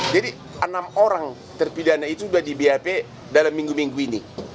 jadi enam orang terpidana itu sudah di bap dalam minggu minggu ini